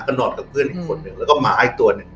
ก็นอดกับเพื่อนอีกคนหนึ่งแล้วก็ไม้ตัวหนึ่ง